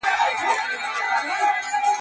یو لېوه د غره لمن کي وږی تږی.